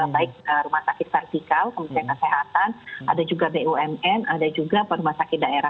baik rumah sakit vertikal kementerian kesehatan ada juga bumn ada juga rumah sakit daerah